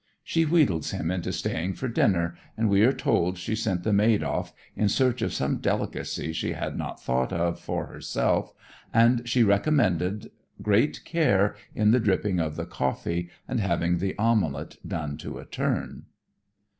She wheedles him into staying for dinner, and we are told she sent the maid off "in search of some delicacy she had not thought of for herself, and she recommended great care in the dripping of the coffee and having the omelet done to a turn."